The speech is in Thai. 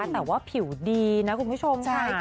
แต่ว่าผิวดีนะคุณผู้ชมค่ะ